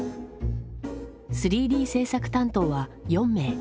３Ｄ制作担当は４名。